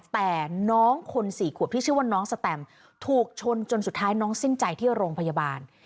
แต่น้องคนสี่ขวบที่ชื่อว่าน้องสแตมถูกชนจนสุดท้ายน้องสิ้นใจที่โรงพยาบาล